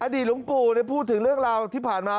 หลวงปู่พูดถึงเรื่องราวที่ผ่านมา